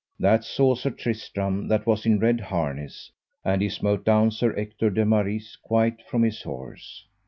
That saw Sir Tristram, that was in red harness, and he smote down Sir Ector de Maris quite from his horse.